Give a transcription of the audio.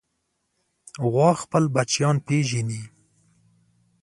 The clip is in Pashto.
غوا خپل بچیان پېژني.